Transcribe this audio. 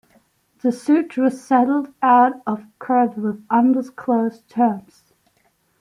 The suit was settled out of court with undisclosed terms.